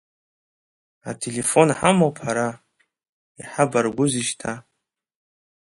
Ателефон ҳамоуп ҳара, иҳабрагәузеи шьҭа.